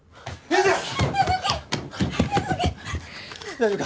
大丈夫か？